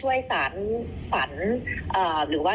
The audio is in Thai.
หรือว่าทำให้เป้าประสงค์ของเรามันสามารถสำเร็จเป็นรูปธรรมขึ้นได้จริงค่ะ